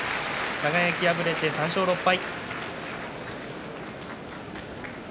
輝、敗れて３勝６敗。